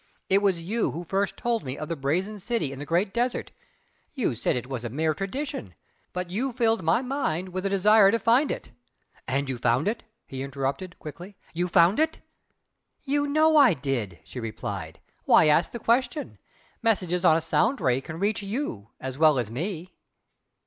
It was you who first told me of the Brazen City in the Great Desert, you said it was a mere tradition but you filled my mind with a desire to find it " "And you found it?" he interrupted, quickly "You found it?" "You know I did!" she replied "Why ask the question? Messages on a Sound Ray can reach YOU, as well as me!"